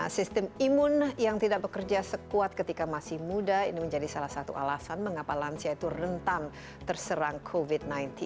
sistem imun yang tidak bekerja sekuat ketika masih muda ini menjadi salah satu alasan mengapa lansia itu rentan terserang covid sembilan belas